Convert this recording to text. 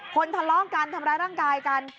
ทะเลาะกันทำร้ายร่างกายกัน